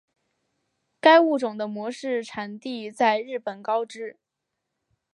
该物种的模式产地在日本高知。